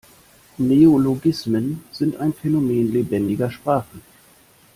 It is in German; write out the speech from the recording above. Neologismen sind ein Phänomen lebendiger Sprachen.